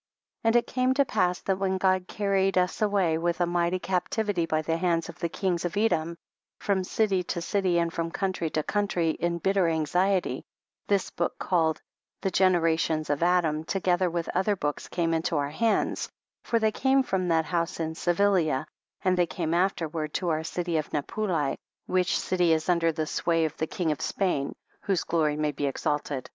And it came to pass that when God carried* us away with a mighty captivity by the hands of the kings of Edom, from city to city and from country to country in bitter anxiety, this book, called " The Generations of Adam" together with other books came into our hands, for they came from that house in Sevilia, and they came afterward to our city Napuli, which city is under the sway of the king of Spain, (whose glory may be exalted.)